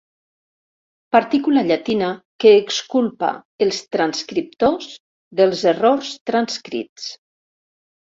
Partícula llatina que exculpa els transcriptors dels errors transcrits.